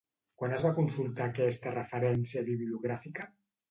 Quan es va consultar aquesta referència bibliogràfica?